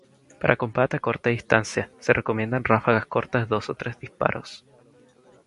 Para combate a corta distancia, se recomiendan ráfagas cortas de dos o tres disparos.